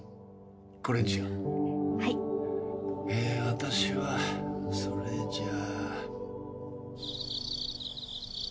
私はそれじゃあ。